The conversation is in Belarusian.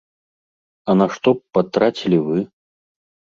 А на што б патрацілі вы?